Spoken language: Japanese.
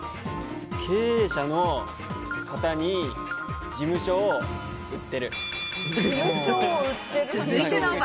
経営者の方に事務所を売って続いての爆